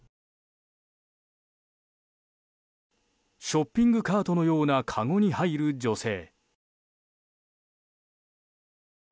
ショッピングカートのようなかごに入る女性。